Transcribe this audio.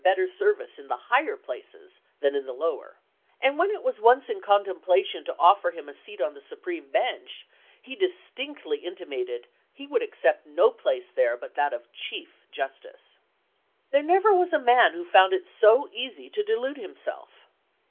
better service in the higher places than in the lower, and when it was once in contemplation to offer him a seat on the Supreme Bench he distinctly intimated he would accept no place there but that of Chief Justice. 312 ABKAHAM LINCOLN Chap. XII. There never was a man who found it so easy to delude himself.